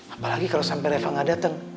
apalagi kalo sampe reva gak dateng